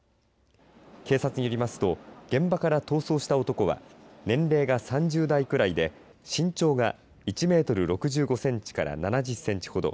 警察によりますと現場から逃走した男は年齢が３０代くらいで身長が１メートル６５センチから７０センチほど。